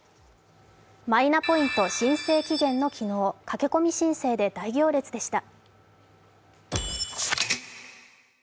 マイナポイント申請期限の昨日、駆け込み申請で大行列でした。